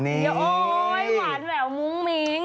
นี่โอ๊ยหวานแหววมุ้งมิ้ง